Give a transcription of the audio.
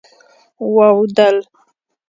واوډل